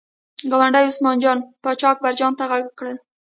ګاونډي عثمان جان پاچا اکبر جان ته غږ کړل.